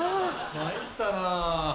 参ったな。